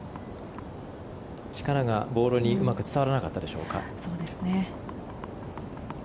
力がボールにうまく伝わらなかったでしょうか。